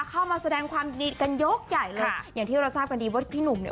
เข้ามาแสดงความดีกันยกใหญ่เลยอย่างที่เราทราบกันดีว่าพี่หนุ่มเนี่ย